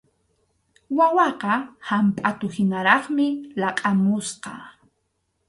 Wawaqa hampʼatuhinaraqmi laqʼakamusqa.